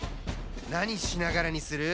なにしながらにする？